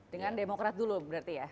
dengan demokrat dulu berarti ya